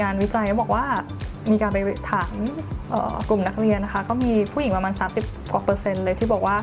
เราก็ต้องใส่